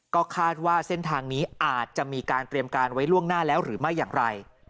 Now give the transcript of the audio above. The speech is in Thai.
ก็คาดว่าเส้นทางนี้อาจจะมีการเตรียมการไว้ล่วงหน้าแล้วหรือไม่อย่างไร